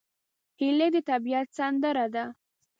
هیلۍ د طبیعت سندره ده